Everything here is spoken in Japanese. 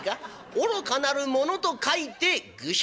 『愚かなる者』と書いて愚者。